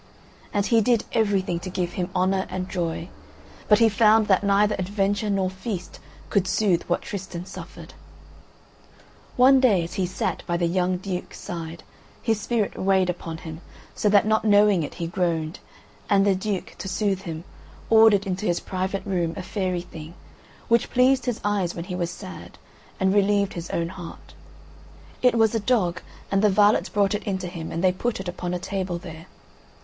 And he did everything to give him honour and joy; but he found that neither adventure, nor feast could soothe what Tristan suffered. One day, as he sat by the young Duke's side, his spirit weighed upon him, so that not knowing it he groaned, and the Duke, to soothe him, ordered into his private room a fairy thing, which pleased his eyes when he was sad and relieved his own heart; it was a dog, and the varlets brought it in to him, and they put it upon a table there.